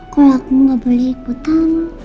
kok aku gak boleh ikutan